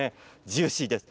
ジューシーです。